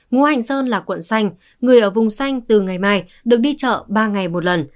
ngũ hành sơn là quận xanh người ở vùng xanh từ ngày mai được đi chợ ba ngày một lần